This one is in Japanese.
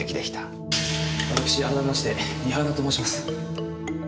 私改めまして三原と申します。